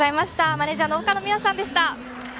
マネージャー岡野美和さんでした。